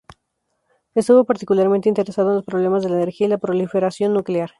Estuvo particularmente interesado en los problemas de la energía y la proliferación nuclear.